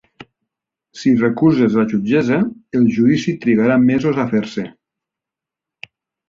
Si recuses la jutgessa, el judici trigarà mesos a fer-se.